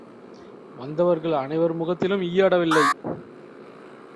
வந்தவர்கள் அனைவர் முகத்திலும் ஈயாடவில்லை.